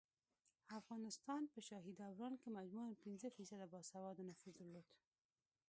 افغانستان په شاهي دوران کې مجموعاً پنځه فیصده باسواده نفوس درلود